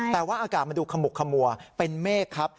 แต่ว่าอากาศมันดูขมุกขมัวเป็นเมฆครับ